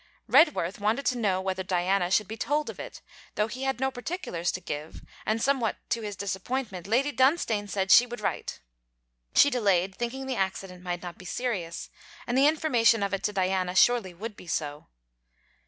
Redworth wanted to know whether Diana should be told of it, though he had no particulars to give; and somewhat to his disappointment, Lady Dunstane said she would write. She delayed, thinking the accident might not be serious; and the information of it to Diana surely would be so.